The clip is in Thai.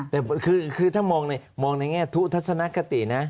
แต่คือถ้ามองในแง่ทุทัศนคตินะ